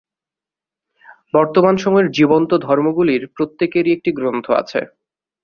বর্তমান সময়ের জীবন্ত ধর্মগুলির প্রত্যেকেরই একটি গ্রন্থ আছে।